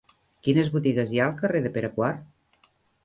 Quines botigues hi ha al carrer de Pere IV?